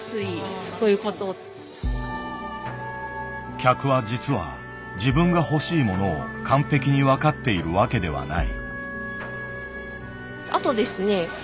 客は実は自分が欲しいものを完璧に分かっているわけではない。